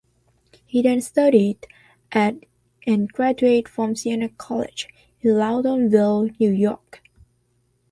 He then studied at and graduated from Siena College in Loudonville, New York.